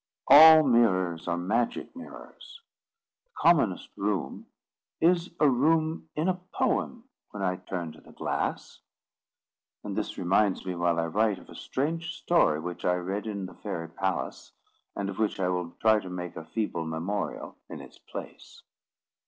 All mirrors are magic mirrors. The commonest room is a room in a poem when I turn to the glass. (And this reminds me, while I write, of a strange story which I read in the fairy palace, and of which I will try to make a feeble memorial in its place.)